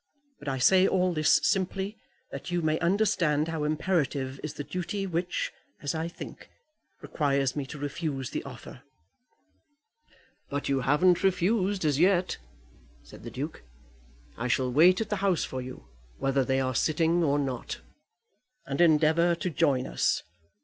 But I say all this simply that you may understand how imperative is the duty which, as I think, requires me to refuse the offer." "But you haven't refused as yet," said the Duke. "I shall wait at the House for you, whether they are sitting or not. And endeavour to join us.